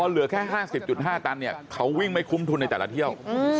เหลือแค่๕๐๕ตันเนี่ยเขาวิ่งไม่คุ้มทุนในแต่ละเที่ยว